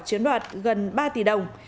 chiếm đoạt gần ba tỷ đồng